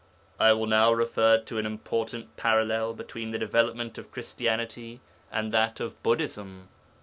I will now refer to an important parallel between the development of Christianity and that of Buddhism.